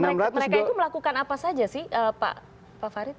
mereka itu melakukan apa saja sih pak farid